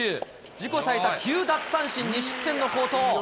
自己最多、９奪三振２失点の好投。